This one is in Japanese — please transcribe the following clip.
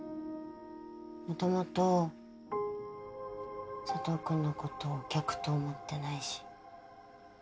もともと佐藤君のことお客と思ってないし。